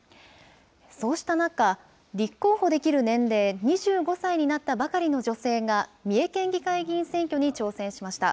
そうした中、立候補できる年齢、２５歳になったばかりの女性が、三重県議会議員選挙に挑戦しました。